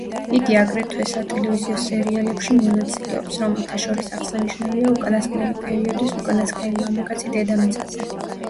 იგი აგრეთვე სატელევიზიო სერიალებში მონაწილეობს, რომელთა შორის აღსანიშნავია უკანასკნელი პერიოდის „უკანასკნელი მამაკაცი დედამიწაზე“.